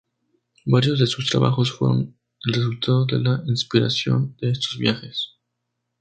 Varios de sus trabajos fueron el resultado de la inspiración de estos viajes.